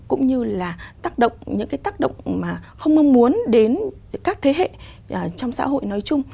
cũng như là tác động những cái tác động mà không mong muốn đến các thế hệ trong xã hội nói chung